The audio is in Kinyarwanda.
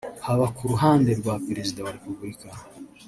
haba ku ruhande rwa Perezida wa Repubulika